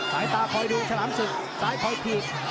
สายตาคอยดูฉลามศึกซ้ายคอยถีบ